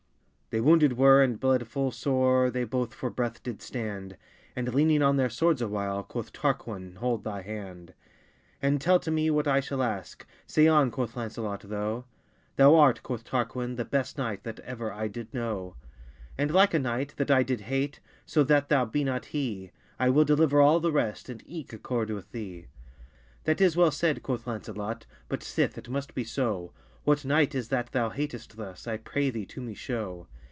They wounded were, and bled full sore, They both for breath did stand, And leaning on their swords awhile, Quoth Tarquine, Hold thy hand, And tell to me what I shall aske. Say on, quoth Lancelot tho. Thou art, quoth Tarquine, the best knight That ever I did know: And like a knight, that I did hate: Soe that thou be not hee, I will deliver all the rest, And eke accord with thee. That is well said, quoth Lancelott; But sith it must be soe, What knight is that thou hatest thus I pray thee to me show.